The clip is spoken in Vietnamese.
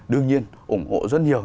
đương nhiên ủng hộ rất nhiều